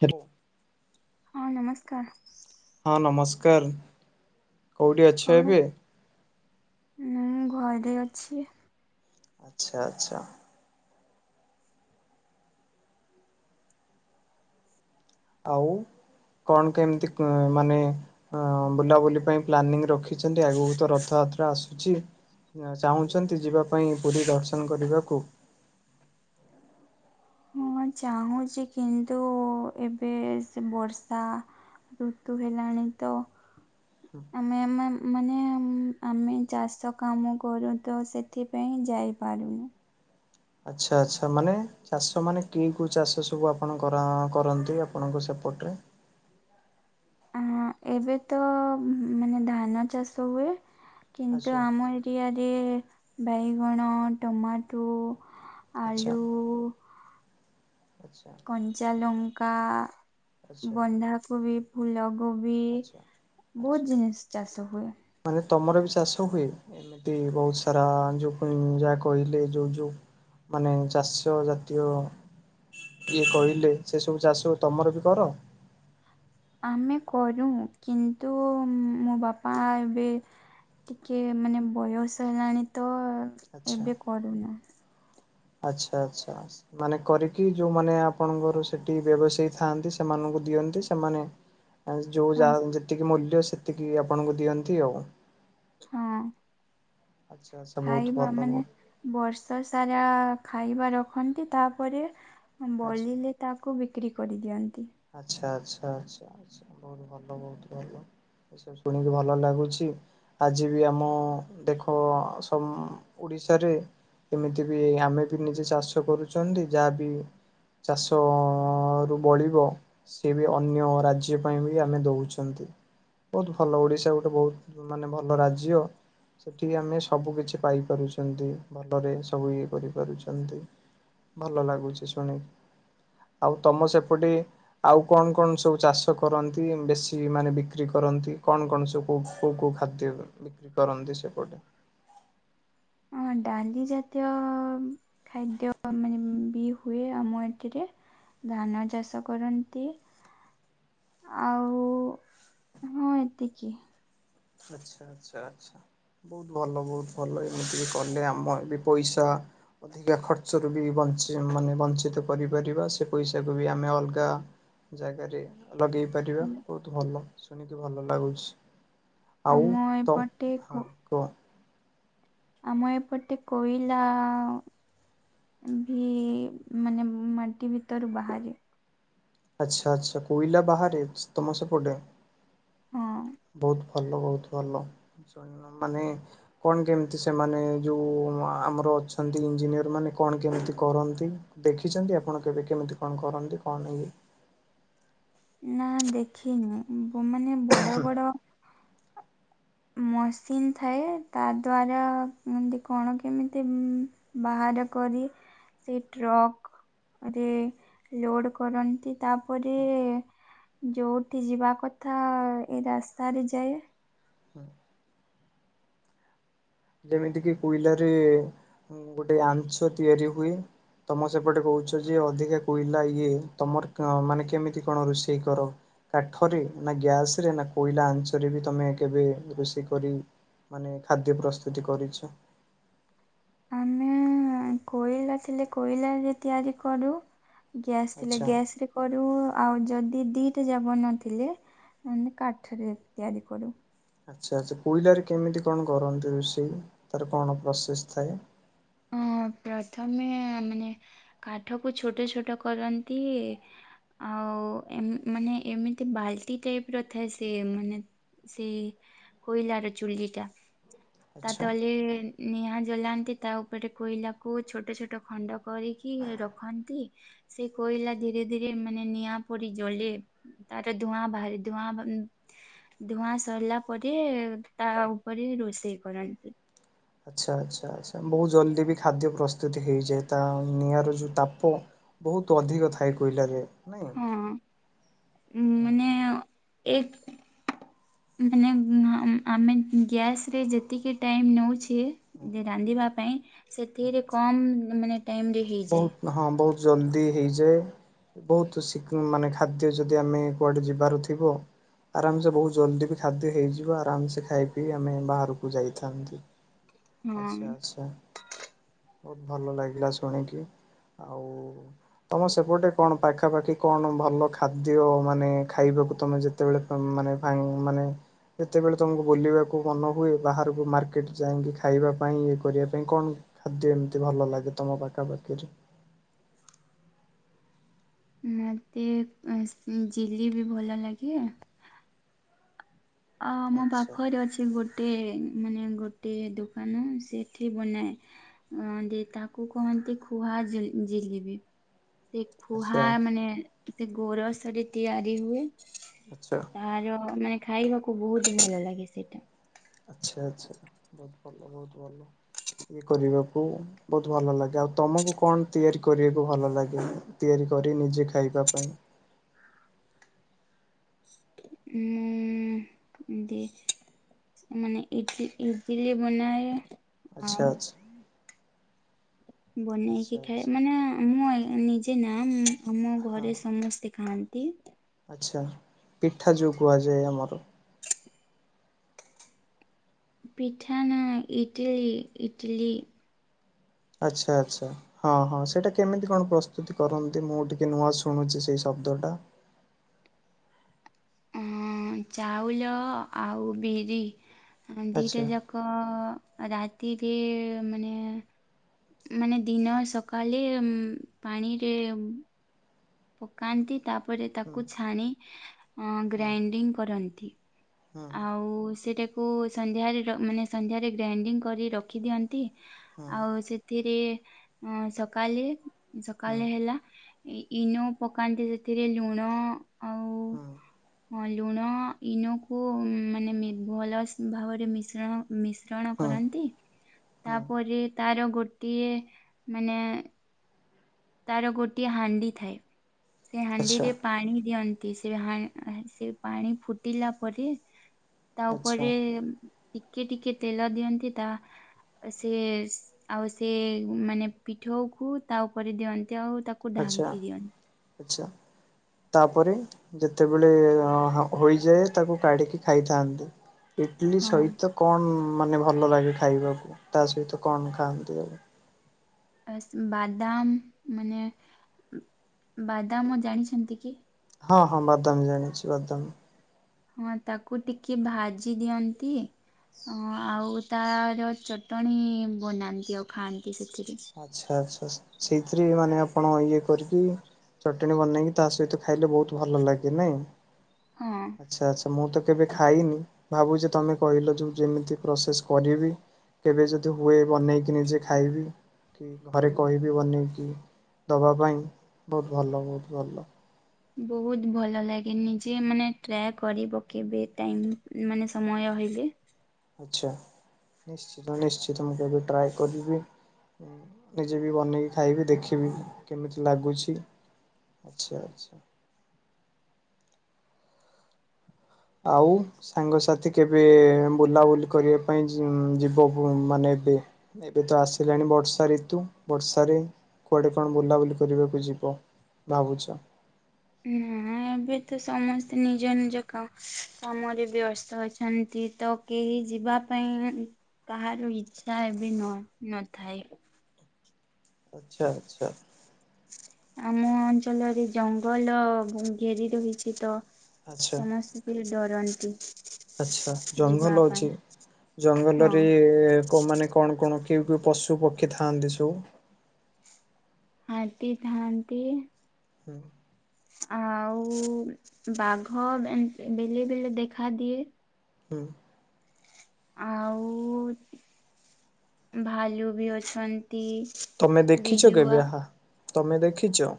Hello. ହଁ ନମସ୍କାର। ହଁ ନମସ୍କାର କୋଉଠି ଅଛ କଣ ଏବେ? ମୁଁ ଘରେ ଅଛି। ଆଚ୍ଛା ଆଚ୍ଛା। ଆଉ କଣ କେମିତି କ ମାନେ ଅ ବୁଲାବୁଲି ପାଇଁ ପ୍ଲାନିଂ ରଖିଛନ୍ତି ଆଗକୁ ତ ରଥ ଯାତ୍ରା ଆସୁଛି ଚାହୁଁଛନ୍ତି ଯିବା ପାଇଁ ପୁରୀ ଦର୍ଶନ କରିବାକୁ? [inaudible] ହଁ ଚାହୁଁଛି କିନ୍ତୁ ଏବେ ସେ ବର୍ଷା ଋତୁ ହେଲାଣି ତ ଆମେ ଆମେ ମାନେ ଆମେ ଚାଷ କାମ କରୁତ ସେଥିପାଇଁ। ଯାଇ ପାରୁନି। ଆଚ୍ଛା ଆଚ୍ଛା ମାନେ ଚାଷ ମାନେ କି କି କୋଉ ଚାଷ ସବୁ ଆପଣ କର କରନ୍ତି ଆପଣଙ୍କ ସେ ପ ପଟେ। ହ [unintelligible] ଅ ଏବେ ତ ମାନେ ଧାନ ଚାଷ ହୁଏ କିନ୍ତୁ ଆଚ୍ଛା ଆମ ଏରିଆରେ ବାଇଗଣ ଟମାଟୋ ଆଚ୍ଛା ଆଲୁ ଆଚ୍ଛା କଞ୍ଚାଲଙ୍କା ଆଚ୍ଛା ବନ୍ଧାକୋବି ଫୁଲ କୋବି ଆଚ୍ଛା। ବହୁତ ଜିନିଷ ଚାଷ ହୁଏ। ମାନେ ତମର ବି ଚାଷ ହୁଏ ଏମିତି ବହୁତ ସାରା ଯୋଉ ଯ ଯାହା କହିଲେ ଯୋଉ ଯୋଉ ମାନେ ଚାଷ ଜାତୀୟ ଇଏ କହିଲେ ସେ ସବୁ ଚାଷ ତମର ବି କର? ଆମେ କରୁ କିନ୍ତୁ ମୋ ବାପା ଏବେ ଟିକେ ମାନେ ବୟସ ହେଲାଣି ତ ଆଚ୍ଛା ଏବେ କରୁନା। ଆଚ୍ଛା ଆଚ୍ଛା ମାନେ କରିକି ଯୋଉମାନେ ଆପଣଙ୍କର ସେଠି ବ୍ୟବସାୟୀ ଥାଆନ୍ତି ସେମାନଙ୍କୁ ଦିଅ ଦିଅନ୍ତି ସେମାନେ ଆଉ ହଁ ଯୋଉଯାହା ଯେତିକି ମୂଲ୍ୟ ସେତିକି ଆପଣଙ୍କୁ ଦିଅନ୍ତି ଆଉ। ହଁ। ଆଚ୍ଛା ଆଚ୍ଛା ବହୁତ ଖାଇବା ଭଲ ମାନେ ବହୁତ ବର୍ଷ ସାରା ନାଁ ଖାଇବା ରଖନ୍ତି ତାପରେ ବଳିଲେ ତାକୁ ବିକ୍ରି କରିଦିଅନ୍ତି। ଆଛା ଆଚ୍ଛା ଆଛା ଆଛା ବହୁତ ଭଲ ବହୁତ ଭଲ। ଏସବୁ ଶୁଣିକି ଭଲ ଲାଗୁଛି ଆଜି ବି ଆମ ଦେଖ ସମ ଉଡ଼ି ବିଷୟରେ ଏମିତି ବି ଆମେ ବି ନିଜେ ଚାଷ କରୁଛନ୍ତି ଯାହାବି ଚାଷ ଅ ରୁ ବଳିବ ସେ ବି ଅନ୍ୟ ରାଜ୍ୟ ପାଇଁ ବି ଆମେ ଦଉଛନ୍ତି। ବହୁତ ଭଲ ଓଡିଶା ଗୋଟେ ବହୁତ ମାନେ ଭଲ ରାଜ୍ୟ ସେଠି ଆମେ ସବୁ କିଛି ପାଇ ପାରୁଛନ୍ତି ଭଲରେ, ସବୁ ଇଏ କରିପାରୁଛନ୍ତି। ଭଲ ଲାଗୁଛି ଶୁଣି ଆଉ ତମ ସେପଟେ ଆଉ କଣ କଣ ସବୁ ଚାଷ କରନ୍ତି ବେଶୀ ମାନେ, ବିକ୍ରି କରନ୍ତି, କଣ କଣ ସବୁ କୋଉ କୋଉ? ଖାଦ୍ୟ ବିକ୍ରି କରନ୍ତି ସେପଟେ ଅଁ ଡାଲି ଜାତୀୟ ଖାଦ୍ୟ ମାନେ ବି ହୁଏ ଆମ ଏଥିରେ ଧାନ ଚାଷ କରନ୍ତି। ଆଉ ହଁ ଏତିକି। ଆଛା ଆଛା ଆଛା। ବହୁତ ଭଲ, ବହୁତ ଭଲ, ଏମିତି ବି କଲେ ଆମର ବି ପଇସା ଅଧିକା ଖର୍ଚ୍ଚରୁ ବି ବଞ୍ଚିବ। ମାନେ ବଞ୍ଚିତ କରିପାରିବା ସେ ପଇସାକୁ ବି ଆମେ ଅଲଗା ଜାଗାରେ ଲଗେଇ ପାରିବା, ବହୁତ ଭଲ ଶୁଣିକି ଭଲ ଲାଗୁଛି। ଆଉ ଆମ ତ ଏପଟେ କ ହଁ କହ ଆମ ଏପଟେ କୋଇଲା ବି ମାନେ ମାଟି ଭିତରୁ ବାହାରେ। ଆଛା ଆଛା କୋଇଲା ବାହାରାରେ ତମ ସେପଟେ ହଁ ବହୁତ ଭଲ, ବହୁତ ଭଲ, ମାନେ କଣ କେମିତି ସେମାନେ ଯୋଉ ଆମର ଅଛନ୍ତି ଇଞ୍ଜିନିୟର ମାନେ କଣ କେମିତି କରନ୍ତି? ଦେଖିଛନ୍ତି ଆପଣ କେବେ କେମିତି କଣ କରନ୍ତି? କରନ୍ତି କଣ କେମିତି? ନା ଦେଖିନି ମାନେ ବଡ ବଡ ମସିନ୍ ଥାଏ ତା ଦ୍ୱାରା ଏମିତି କଣ କେମିତି ବା ଆର କରି ସିଟ ରକ୍ ରେ ଲୋଡ କରନ୍ତି ତାପରେ ଯୋଉଠି ଯିବା କଥା ଏଇ ରାସ୍ତାରେ ଯାଏ। ଯେମିତି କିି କୋଇଲାରେ ଗୋଟେ ଆଞ୍ଚ ତିଆରି ହୁଏ ତମ ସେପଟେ କହୁଛ ଯେ ଅଧିକା କୋଇଲା ଇଏ, ତମର ମାନେ କେମିତି କଣ ରୋଷେଇ କର? କାଠରେ ନା ଗ୍ୟାସ ରେ ନା କୋଇଲା ଆଞ୍ଚରେ ବି ତମେ କେବେ ରୋଷେଇ କରି ମାନେ ଖାଦ୍ୟ ପ୍ରସ୍ତୁତି କରିଛ। ଆମେ କୋଇଲା ଥିଲେ, କୋଇଲା ରେ ତିଆରି କରୁ। ଗ୍ୟାସ୍ ଥିଲେ ଆଚ୍ଛା। ଗ୍ୟାସ ରେ କରୁ ଆଉ ଯଦି ଦିଟା ଯାକ ନଥିଲେ ମାନେ କାଠରେ ତିଆରି କରୁ। ଆଛା ଆଛା କୋଇଲାରେ କେମିତି କଣ କରନ୍ତି ରୋଷେଇ? ତାର କଣ ପ୍ରୋସେସ ଥାଏ। ହଁ ଅଁ ପ୍ରଥମେ ମାନେ କାଠକୁ ଛୋଟ ଛୋଟ କରନ୍ତି। ଆଉ ମାନେ ଏମିତି ବାଲ୍ଟି ଟାଇପ ର ଥାଏ ସେ ମାନେ ସେଇ କୋଇଲାର ଚୁଲି ଟା ତା ଆଚ୍ଛା। ତହଲି ନିହାଁ ଜଲାନ୍ତି ତାଉ ପଟେ କୋଇଲା କୁ ଛୋଟ ଛୋଟ ଖଣ୍ଡ କରିକି ରଖନ୍ତି, ସେ କୋଇଲା ଧୀରେ ଧୀରେ ମାନେ ନିଆଁ ପରି ଜଳେ ତାର ଧୂଆଁ ବାହାରେ ଧୂଆଁ ଧୂଆଁ ସରିଲା ପରେ ତା ଉପରେ ରୋଷେଇ କରନ୍ତି। ଆଛା ଆଛା ଆଛା, ବହୁତ ଜଲଦି ବି ଖାଦ୍ୟ ପ୍ରସ୍ତୁତ ହେଇଯାଏ, ତା ନିଆର ଯୋଉ ତାପ ବହୁତ ଅଧିକ ଥାଏ କୋଇଲ ରେ ହଁ ଅ ଉ ମାନେ ଏକ ମାନେ ଆମେ ଗ୍ୟାସ ରେ ଯେତିକି ଟାଇମ ନେଉଛେ ରାନ୍ଧିବା ପାଇଁ, ସେଥିରେ କମ ମାନେ ଟାଇମ ରେ ହେଇଯାଏ। ବହୁତ ହଁ ବହୁତ ଜଲ୍ଦି ହେଇଯାଏ। ବହୁତ ମାନେ ଖାଦ୍ୟ ଯଦି ଆମେ କୁଆଡେ ଯିବାରୁ ଥିବ ଆରାମସେ ବହୁତ ଜଲ୍ଦି ବି ଖାଦ୍ୟ ହେଇଯିବ ଆରାମସେ ଖାଇ ପିଇ ଆମେ ବାହାରକୁ ଯାଇଥାନ୍ତି ଆଛା ହଁ ଆଚଛା ବହୁତ ଭଲ ଲାଗିଲା ଶୁଣିିକ ଆଉ ତମ ସେପଟେ କଣ ପାଖାପାଖି କଣ ଭଲ ଖାଦ୍ୟ ମାନେ ଖାଇବା ତମେ ଯେତେବେଳୋନେ ମାନେ ଯେତେବେଳେ ତମକୁ ବୁଲିବାକୁ ମନ ହୁଏ ବାହାରକୁ ମାର୍କେଟ ଯାଇକି ଖାଇବା ପାଇଁ ଇଏ କରିବା ପାଇଁ କଣ ଖାଦ୍ୟ ଏମିତି ଭଲ ଲାଗେ ତମ ପାଖାପାଖିରେ ମତେ ଜଝିଲି ବି ଭଲ ଲାଗେ ଅ ମୋ ଆଚ୍ଛା ପାଖରେ ଅଛି ଗୋଟେ ମାନେ ଗୋେ ଗୋଟେ ଦୋକାନ ସେଠି ବନାଏ ତାକୁ କହନ୍ତି ଖୁହା ସେ ଆଚ୍ଛା ଖୁହା ମାନେ ସେ ଗୋର ସରି ତିଆରି ହୁଏ ଆଚ୍ଛା ତାର ମାନେ ଖାଇବାକୁ ବହୁତ ଭଲ ଲାଗେ ସେଇଟା ଆଚଛା ଆଚଛା ବହୁତ ଭଲ ବହୁତ ଭଲ ଇଏ କରିବାକୁ ବହୁତ ଭଲ ଲାଗେ ଆଉ ତମକୁ କଣ ତିଆରି କରିବାକୁ ଭଲ ଲାଗେ ତିଆରି କରି ନିଜେ ଖାଇବା ପାଇଁ ହଁ ମୁଁ ଦ ମାନେଇ ଇଟିଲି ବନାଏ ଆଚ୍ଛା ଆଉ ଆଚ୍ଛା ବନେଇକି ଆଚ୍ଛା ଖାଏ ଆଚ୍ଛା ମାନେ ମୁଁ ନିଜେ ନା ଆମ ଘରେ ସମସ୍ତେ ଖାଆନ୍ତି ଆଛା ପିଠା ଯୋଉ କୁହାଯାଏ ଆମର ପିଠାନ ଇଟଲି ଇଟଲି ଆଚ୍ଛା ଆଚ୍ଛା ହଁ ହଁ ସେଇଟା କେମିତି କଣ ପ୍ରସ୍ତୁତି କରନ୍ତି ମୁଁ ଟିକେ ନୂଆ ଶୁଣୁଛି ସେଇ ସବୁ ଦୋଟା ହଁ ଚାଉଳ ଆଉ ବିରି ଦିଟା ଆଚ୍ଛା ଯାକ ରାତିରେ ମାନେ ମାନେ ଦିନ ସକାଳେ ପାଣିରେ ପକାନ୍ତି ତାପରେ ହୁଁ ତାକୁ ଛାଣି ହୁଁ ଗ୍ରାଇଣ୍ଡିଙ୍ଗ କରନ୍ତି ହୁଁ ଆଉ ସେଟା କୁ ସନ୍ଧ୍ୟା ର ମାନେ ସନ୍ଧ୍ୟା ରେ ଗ୍ରାଇଣ୍ଡିଙ୍ଗ କରି ରଖିଦିଅନ୍ତି। ହୁଁ ଆଉ ସେଥିରେ ଅ ସକାଳେ ହୁଁ ସକାଳେ ହେଲା। ଇନୋ ପକାନ୍ତି ସେଥିରେ ଲୁଣ ଆଉ ହଁ ଲୁଣ ଇନକୁ ମାନେ ଭଲ ଭାବରେ ମିଶ୍ରଣ ମିଶ୍ରଣ ହୁଁ ହୁଁ କରନ୍ତି। ହୁଁ ତାପରେ ତାର ଗୋଟିଏ ମାନେ ତାର ଗୋଟିଏ ହାଣ୍ଡି ଥାଏ ସେ ଆଚ୍ଛା ହାଣ୍ଡିରେ ପାଣି ଦିଅନ୍ତି। ସେ ହା ସେ ପାଣି ଫୁଟିଲା ପରେ। ତା ଆଚ୍ଛା ଉପରେ ଟିକେ ଟିକେ ତେଲ ଦିଅନ୍ତି। ତା ସେ ଆଉ ସେ ମାନେ ପିଠଉ କୁ ତା କରିଦିଅନ୍ତି ଆଉ ତାକୁ ଆଚ୍ଛା ଢାଙ୍କି ଦିଅନ୍ତି। ଆଚ୍ଛା। ତାପରେ ଯେତେବେଳେ ହୋଇଯାଏ ତାକୁ କାଢିକି ଖାଇଥାନ୍ତି। ଇଟଲିି ହଁ ସହିତ କଣ? ମାନେ ଭଲ ଲାଗେ ଖାଇବାକୁ ତା ସହିତ କଣ ଖାଆନ୍ତି ଆଉ? ବାଦାମ। ମାନେ ବାଦାମ ଜାଣିଛନ୍ତି କି? ହଁ ହଁ ବାଦାମୀ ଜାଣିଛି ବାଦାମୀ। ହଁ ତାକୁ ଟିକେ ଭାଜି ଦିଅନ୍ତି। ଅ ଆଉ ତାର ଚଟଣିୀ ବନାନ୍ତି ଆଉ ଖାଆନ୍ତି। ସେଥିରେ। ଆଚ୍ଛା ଆଚ୍ଛା ସେଇଥିରେ ମାନେ ଆପଣ ଇଏ କରିକି ଚଟଣୀ ବନେଇକି ତା ସହିତ ଖାଇଲେ ବହୁତ ଭଲ ଲାଗେ ନାଇଁ ହଁ। ଆଚ୍ଛା ଆଛା। ମୁଁ ତ କେବେ ଖାଇନି ଭାବୁଚି ତମେ କହିଲ ଯେ ଯେମିତି ପ୍ରୋସେସ କରିବି। କେବେ ଯଦି ହୁଏ ବନେଇକି ନିଜେ ଖାଇବି। କି ଘରେ କହିବି ବନେଇକି ଦବା ପାଇଁ ବହୁତ ଭଲ ଲାଗେ ଭଲ। ବହୁତ ଭଲ ଲାଗେ ନିଜେ ମାନେ ଟ୍ରାଏ କରିବ କେବେ ଟାଇମ୍ ମାନେ ସମୟ ପାଇଲେ ଆଛା ନିଶ୍ଚିତ ନିଶ୍ଚିତ ମୁଁ କେବେ ଟ୍ରାଏ କରିବି। ନିଜେ ବି ବନେଇକି ଖାଇବି ଦେଖିବି କେମିତି ଲାଗୁଛି। ଆଚଛା ଆଚଛା। [inaudible] ଆଉ ସାଙ୍ଗସାଥି କେବେ ବୁଲାବୁଲି କରିବା ପାଇଁ ଯି- ଯିବ ବ ମାନେ ଏବେ, ଏବେ ତ ଆସିଲାଣି ବର୍ଷା ଋତୁ ବର୍ଷାରେ କୁଆଡେ କଣ ବୁଲାବୁଲି କରିବାକୁ ଯିବ ଭାବୁଚ? ନା। ଏବେ ତ ସମସ୍ତେ ନିଜ ନିଜ କା କାମରେ ବ୍ୟସ୍ତ ଅଛନ୍ତି ତ କେହି ଯିବା ପାଇଁ କାହାର ଇଚ୍ଛା ଏବେ ନୁହ ନଥାଏ। ଆଚଛା ଆଚଛା। ଆମ ଅଞ୍ଚଳରେ ଜଙ୍ଗଲ ଘ ଘେରି ରହିଚି ତ ସମସ୍ତେ ଟିଏ ଡରନ୍ତି। ଆଛା ଯିବା ଜଙ୍ଗଲ ଅଛି ପାଇଁ ହଁ। ଜଙ୍ଗଲରେ ମାନେ କଣ କଣ କେଉ କେଉ ପଶୁ ପକ୍ଷୀ ଥାଆନ୍ତି ସବୁ? ହାତୀ ଥାଆନ୍ତି। ହୁଁ। ଆଉ ବାଘ ଏମ୍ ବେଲେ ବେଲେ ଦେଖା ଦିଏ। ହୁଁ। ଆଉ ଭାଲୁ ବି ଅଛନ୍ ତମେ ଦେଖିଛ କେବେ ହା ତମେ ଦେଖିଚ?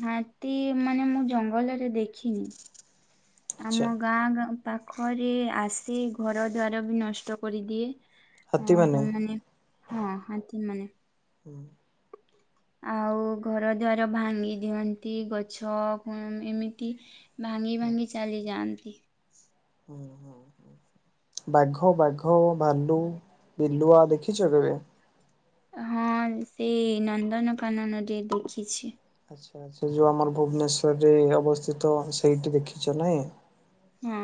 ହାତୀ ମାନେ ମୁଁ ଜଙ୍ଗଲରେ ଦେଖିନି। ଆଚ୍ଛା ଆମ ଗାଁ ଗାଁ ପାଖରେ ଆସି ଘର ଦ୍ୱାର ବି ନଷ୍ଟ କରିଦିଏ। ଆ ହାତୀମାନେ କୁ ମାନେ ହଁ ହାତୀ ମାନେ। ହୁଁ। ଆଉ ଘର ଦ୍ୱାର ଭାଙ୍ଗି ଦିଅନ୍ତି, ଗଛ କୁ ଏମିତି ଭାଙ୍ଗି ଭାଙ୍ଗି ଚାଲି ଯାଆନ୍ତି। ଓ ହୋ ହୁଁ। ବାଘ ବାଘ ଭାଲୁ ବିଲୁଆ ଦେଖିଚ କେବେ? ହଁ ସେ ନନ୍ଦନକାନନ ରେ ଦେଖିଚି। ଆଚ୍ଛା ଆଛା ସେ ଯୋଉ ଆମର ଭୁବନେଶ୍ୱରରେ ଅବସ୍ଥିତ ସେଇଟି ଦେଖିଚ ନେଇଁ? ହଁ।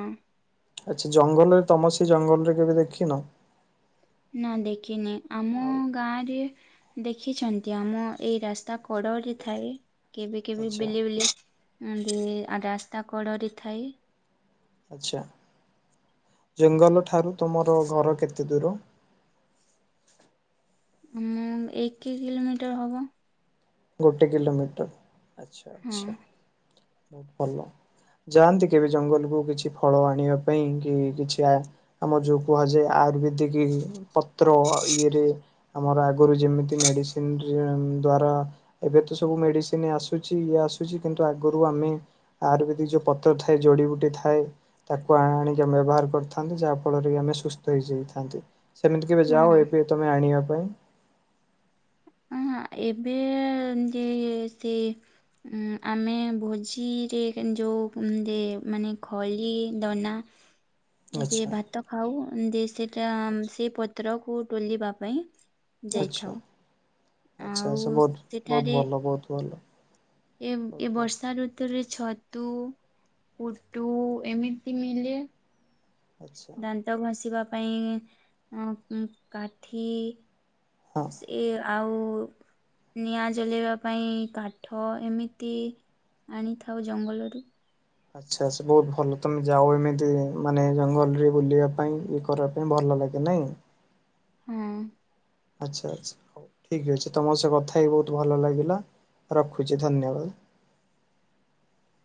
ଆଚ୍ଛା ଜଙ୍ଗଲରେ ତମର ସେ ଜଙ୍ଗଲରେ କେବେ ଦେଖିନ? ନା ଦେଖିନି ଆମ ଆଉ ଗାଁରେ ଦେଖିଛନ୍ତି ଆମ ଏଇ ରାସ୍ତା ତା ଆଚ୍ଛା କଡରେ ଥାଏ କେବେ କେବେ ଆଚ୍ଛା ବିଲ ବୁଲି ଏମ୍ ଟି ରାସ୍ତା କଡରେ ଥାଇ ଆଛା ଜଙ୍ଗଲ ଠାରୁ ତମର ଘର କେତେ ଦୂର? ହୁଁ ଏକ କିଲୋମିଟର ହବ। ଗୋଟେ କିଲୋମିଟର ଆଛା ହଁ ଆଛା ହଉ ଭଲ। ଯାଆନ୍ତି କେବେ ଜଙ୍ଗଲକୁୁ କିଛି ଫଳ ଆଣିବା ପାଇଁ କି କିଛି ଆ ଆମର ଯଉ କୁହାଯାଏ ଆ ଆୟୁର୍ବେଦିକ ପତ୍ର ଇଏରେ ଆମର ଆଗରୁ ଯେମିତି ମେଡ଼ିସିନରେ ଦ୍ୱାରା ଏବେ ତ ସବୁ ମେଡିସିନ ଆସୁଚି ଇଏ ଆସୁଚି କିନ୍ତୁ ଆଗରୁ ଆମେ ଆୟୁର୍ବେଦିକ ଯୋଉ ପତ୍ର ଥାଏ ଯ ଯଡିିବୁଟି ଥାଏ ତାକୁ ଆଣିକି ଆମେ ବ୍ୟବହାର କରିଥାନ୍ତି ଯାହା ଫଳରେ କି ଆମେ ସୁସ୍ଥ ହେଇଯାଇଥାନ୍ତି। ସେମିତି କେବେ ଯାଅ ହଁ ଏବେ ତମେ ଆଣିବା ପାଇଁ ଅହଁ ଏବେ ଯେ ସେ ମଁ ଆମେ ଭୋଜିରେ ଯନ ଯଉ ମଁ ଯେ ମାନେ ଖଲି ଦନା [inaudible] ଯେ ଆଚ୍ଛା। ଭାତ ଖାଉ ଯେ ସେଟା ଆଚ୍ଛା ସେ ପତ୍ରକୁ ତୋଲିବା ପାଇଁ ଆଚ୍ଛା ଯାଇଥାଉ ଆଚ୍ଛା ଆଉ ବହୁତ ବହୁତ ସେଠାରେ ଭଲ ବହୁତ ଭଲ ଏ ବହୁତ ଏ ଭଲ ବର୍ଷା ଋତୁ ରେ ଛତୁ ପୁଟୁ ଏମିତି ମିଲେ ଆଚ୍ଛା। ଦାନ୍ତ ଘଷିବା ପାଇଁ ଅଁ ଉଁ କାଠି ହଁ। ସେ ଆଉ କୁ ନିଆଁ ଜଲେଇବା ପାଇଁ କାଠ ଏମିତି ଆଣିଥାଉ ଜଙ୍ଗଲରୁ ଆଛା ସେ ବହୁତ ଭଲ ତମେ ଯାଓ ଏମିତି ମାନେ ଜଙ୍ଗଲ ରେ ବୁଲିବା ପାଇଁ ଇଏ କରିବା ପାଇଁ ଭଲ ଭଲ ଲାଗେ ନାଇଁ? ହୁଁ। ଆଛା ଆଚ୍ଛା ହଉ ଠିକ ଅଛି ତମ ସ କଥା ହେଇ ବହୁତ ଭଲ ଲାଗିଲା। ରଖୁଚି ଧନ୍ୟବାଦ। [inaudible]